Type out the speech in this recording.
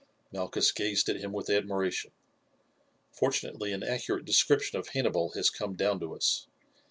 Malchus gazed at him with admiration. Fortunately an accurate description of Hannibal has come down to us.